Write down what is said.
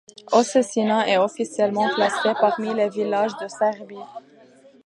Osečina est officiellement classée parmi les villages de Serbie.